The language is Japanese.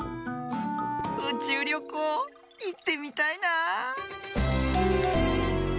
うちゅうりょこういってみたいな。